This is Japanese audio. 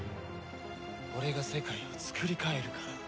俺が世界をつくり変えるから。